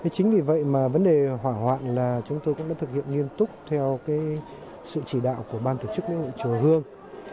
chính vì vậy mà vấn đề hỏa hoạn là chúng tôi cũng đã thực hiện nghiêm túc theo sự chỉ đạo của ban tổ chức lễ hội chùa hương